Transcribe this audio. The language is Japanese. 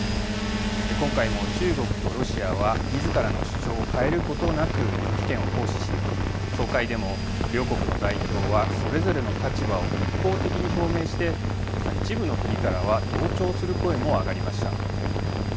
今回も中国とロシアは、みずからの主張を変えることなく拒否権を行使し、総会でも、両国の代表はそれぞれの立場を一方的に表明して、一部の国からは同調する声も上がりました。